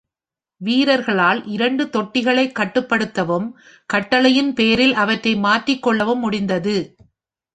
வீரர்களால் இரண்டு தொட்டிகளைக் கட்டுப்படுத்தவும் கட்டளையின் பேரில் அவற்றை மாற்றிக் கொள்ளவும் முடிந்தது.